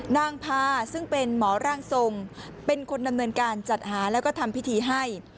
นางพาซึ่งเป็นหมอร่างทรงเป็นคนดำเนินการจัดหาแล้วก็ทำพิธีให้